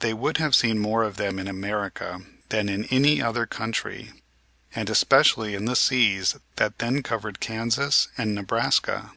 They would have seen more of them in America than in any other 'country, and especially in the seas that then covered Kansas and Nebraska.